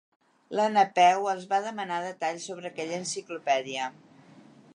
La Napeu els va demanar detalls sobre aquella enciclopèdia.